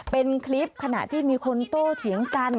เป็นคลิปขณะที่มีคนโตเถียงกัน